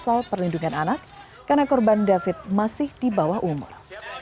soal perlindungan anak karena korban david masih di bawah umur